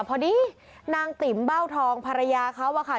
พอดีนางติ๋มเบ้าทองภรรยาเขาอะค่ะ